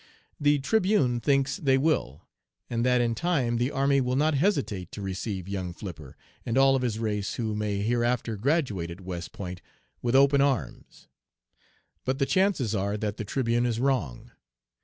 The Tribune thinks they will, and that in time the army will not hesitate to receive young Flipper, and all of his race who may hereafter graduate at West Point, with open arms; but the chances are that the Tribune is wrong.